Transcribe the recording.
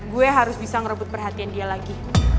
gue harus bisa ngerebut perhatian dia lagi